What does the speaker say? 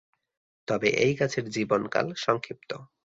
তবে এই গাছের জীবনকাল সংক্ষিপ্ত।